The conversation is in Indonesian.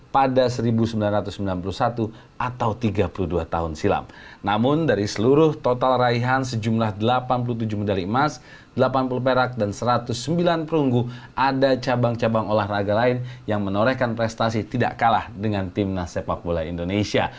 satu ratus sembilan perunggu ada cabang cabang olahraga lain yang menorehkan prestasi tidak kalah dengan tim nasi sepak bola indonesia